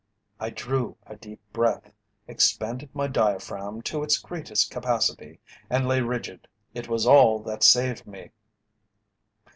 I drew a deep breath, expanded my diaphragm to its greatest capacity, and lay rigid. It was all that saved me."